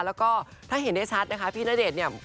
แล้วก็ถ้าเห็นได้ชัดนะคะพี่ณเดชน์เนี่ย